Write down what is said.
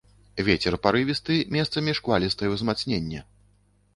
Вецер парывісты, месцамі шквалістае ўзмацненне.